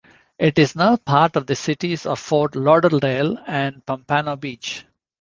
It is now part of the cities of Fort Lauderdale and Pompano Beach.